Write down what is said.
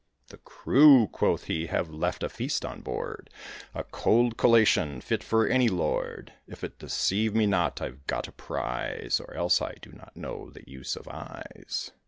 "The crew," quoth he, "have left a feast on board, A cold collation, fit for any lord; If it deceive me not, I've got a prize, Or else I do not know the use of eyes."